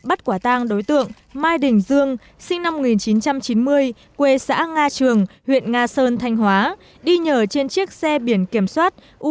mặc dù vẫn còn nhiều khóa